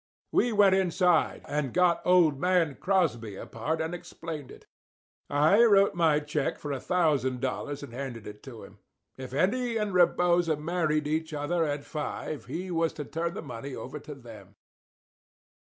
We went inside and got old man Crosby apart and explained it. I wrote my check for a thousand dollars and handed it to him. If Eddie and Rebosa married each other at five he was to turn the money over to them.